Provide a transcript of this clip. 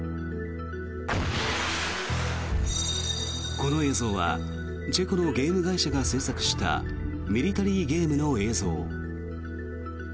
この映像はチェコのゲーム会社が制作したミリタリーゲームの映像。